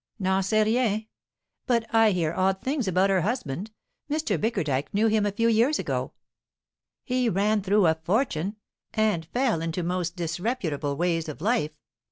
"N'en sais rien. But I hear odd things about her husband. Mr. Bickerdike knew him a few years ago. He ran through a fortune, and fell into most disreputable ways of life.